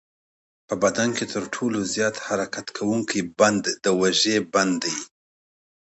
په بدن کې تر ټولو زیات حرکت کوونکی بند د اوږې بند دی.